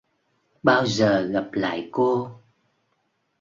Bao giờ gặp lại cô?!